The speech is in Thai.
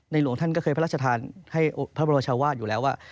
หลวงท่านก็เคยพระราชทานให้พระบรมชาวาสอยู่แล้วว่า